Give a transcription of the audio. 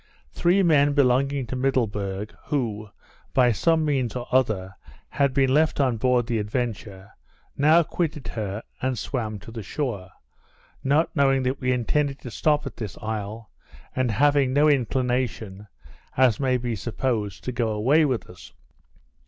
Three men belonging to Middleburg, who, by some means or other, had been left on board the Adventure, now quitted her, and swam to the shore; not knowing that we intended to stop at this isle, and having no inclination, as may be supposed, to go away with us.